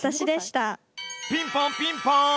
ピンポンピンポン！